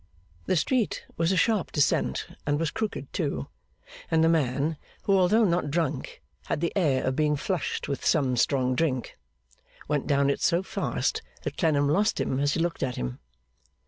The street was a sharp descent and was crooked too, and the man (who although not drunk had the air of being flushed with some strong drink) went down it so fast that Clennam lost him as he looked at him.